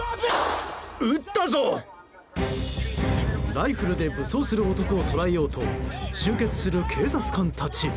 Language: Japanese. ライフルで武装する男を捕らえようと集結する警察官たち。